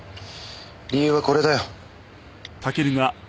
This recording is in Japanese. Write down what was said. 理由はこれだよ。